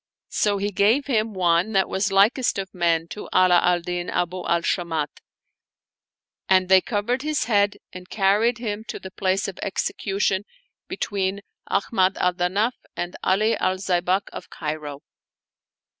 So he gave him one that was likest of men to Ala al Din Abu al Shamat ; and they covered his head and carried him to the place of ex 145 Oriental Mystery Stories ecution between Ahmad al Danaf and Ali al Zaybak of Cairo.